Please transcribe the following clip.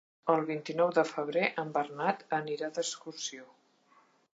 El vint-i-nou de febrer en Bernat anirà d'excursió.